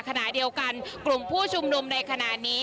ขณะเดียวกันกลุ่มผู้ชุมนุมในขณะนี้